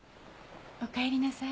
おかえりなさい。